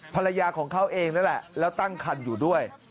ภรรยาของเขาเองนั่นแหละแล้วตั้งคันอยู่ด้วย